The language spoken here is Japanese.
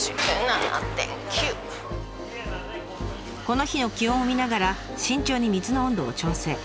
この日の気温を見ながら慎重に水の温度を調整。